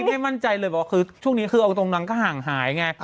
ไม่มั่นใจเลยบอกว่าคือช่วงนี้คือเอาตรงนางก็ห่างหายไง